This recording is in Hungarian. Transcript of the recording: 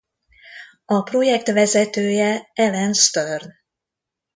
A projekt vezetője Alan Stern.